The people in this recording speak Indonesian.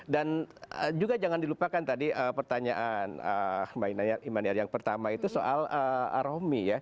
dan juga jangan dilupakan tadi pertanyaan mbak imanyar yang pertama itu soal aromi ya